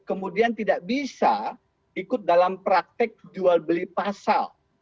kemudian tidak bisa ikut dalam praktek jual beli pasal